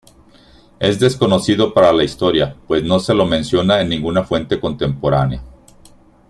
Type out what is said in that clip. Es desconocido para la historia, pues no se lo menciona en ninguna fuente contemporánea.